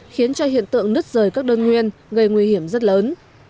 khiến cho hiện tượng nứt rời các đơn nguyên gây nguy hiểm rất lớn